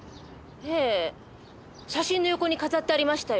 ええ写真の横に飾ってありましたよ。